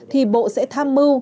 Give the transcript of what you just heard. thì bộ sẽ tham mưu